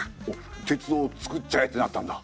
「鉄道をつくっちゃえ」ってなったんだ。